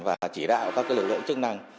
và chỉ đạo các lực lượng chức năng